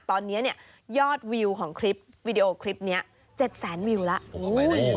ตอนนี้เนี่ยยอดวิวของคลิปวิดีโอคลิปนี้๗แสนวิวแล้ว